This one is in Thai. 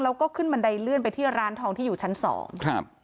แล้วก็ขึ้นบันไดเลื่อนไปที่ร้านทองที่อยู่ชั้นสองครับ